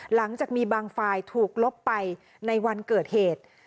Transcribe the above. หลังจากมีบางฝ่ายถูกลบไปในวันเกิดเหตุ